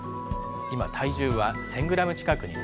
今、体重は１０００グラム近くに。